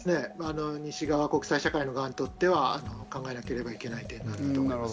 西側、国際社会の国にとっては考えなければいけない点です。